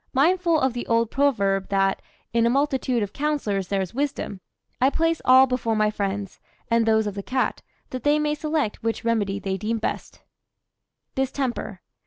Mindful of the old proverb that "In a multitude of counsellors there is wisdom," I place all before my friends, and those of the cat, that they may select which remedy they deem best: DISTEMPER.